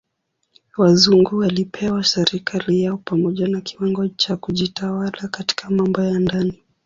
Wazungu walipewa serikali yao pamoja na kiwango cha kujitawala katika mambo ya ndani.